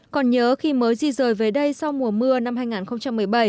còn nhớ khi mới di rời về đây sau mùa mưa năm hai nghìn một mươi bảy